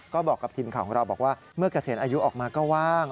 ก็บอกกับทีมข่าวของเราบอกว่าเมื่อเกษียณอายุออกมาก็ว่าง